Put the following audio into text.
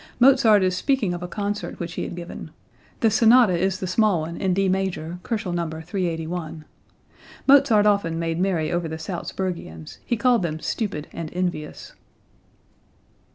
Mozart is speaking of a concert which he had given. The sonata is the small one in D major (Kochel, No. 381). Mozart often made merry over the Salzburgians; he called them stupid and envious.)